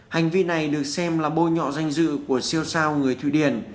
hành vi này được xem là bôi nhọ danh dự của siêu sao người thụy điển